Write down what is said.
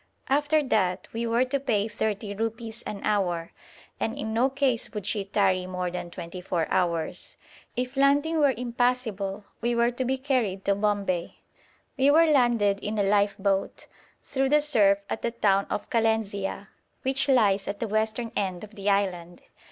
After that we were to pay thirty rupees an hour, and in no case would she tarry more than twenty four hours. If landing were impossible, we were to be carried to Bombay. We were landed in a lifeboat, through the surf at the town of Kalenzia, which lies at the western end of the island.